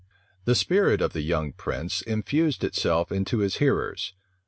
The spirit of the young prince infused itself into his hearers.